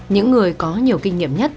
những người có nhiều kinh nghiệm nhất